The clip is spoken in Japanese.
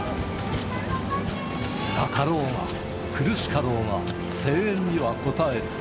つらかろうが、苦しかろうが、声援には応える。